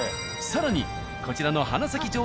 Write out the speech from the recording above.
更にこちらの花咲上